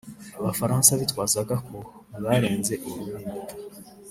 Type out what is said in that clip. Abafaransa bitwazaga ko barenze urubibi